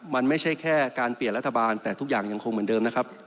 มันไม่ใช่แค่การเปลี่ยนรัฐบาลแต่ทุกอย่างยังคงเหมือนเดิมนะครับ